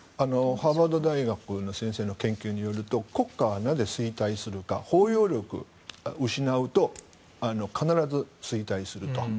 ハーバード大学の先生の研究によると国家はなぜ衰退するか包容力を失うと必ず衰退すると。